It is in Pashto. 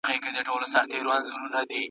یو قابیل دی بل هابیل سره جنګیږي `